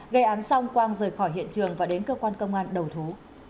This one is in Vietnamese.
gây án xong quang rời khỏi hiện trường và đến cơ quan công an đầu thú